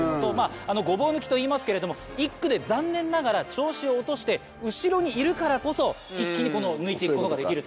ゴボウ抜きといいますけど１区で残念ながら調子を落として後ろにいるからこそ一気に抜いて行くことができると。